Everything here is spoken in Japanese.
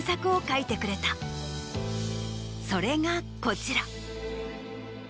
それがこちら。